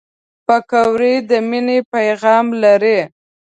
پکورې د مینې پیغام لري